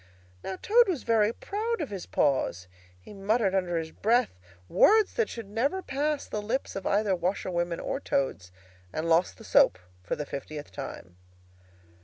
Now Toad was very proud of his paws. He muttered under his breath words that should never pass the lips of either washerwomen or Toads; and lost the soap, for the fiftieth time.